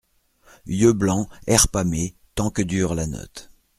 Yeux blancs, airs pâmés, tant que dure la note.